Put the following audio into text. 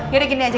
yaudah gini aja